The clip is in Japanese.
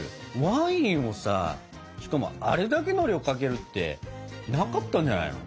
ワインをさしかもあれだけの量をかけるってなかったんじゃないの？